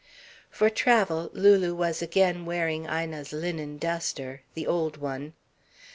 For travel Lulu was again wearing Ina's linen duster the old one.